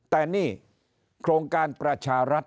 แต่นี่โครงการประชารัฐ